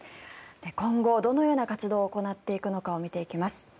今後、どのような活動を行っていくのかを見ていきます。